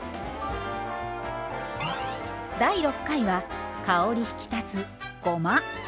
第６回は香り引き立つごま。